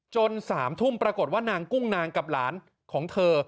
๓ทุ่มปรากฏว่านางกุ้งนางกับหลานของเธอ